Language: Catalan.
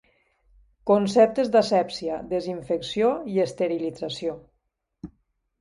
Conceptes d'asèpsia, desinfecció i esterilització.